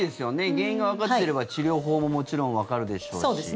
原因がわかっていれば治療法ももちろんわかるでしょうし。